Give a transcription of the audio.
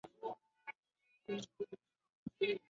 台风大潮时常会淹没岛的大部分。